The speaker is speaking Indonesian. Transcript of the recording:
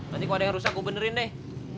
nanti kalau ada yang rusak gue benerin deh